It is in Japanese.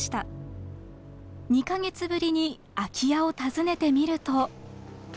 ２か月ぶりに空き家を訪ねてみると。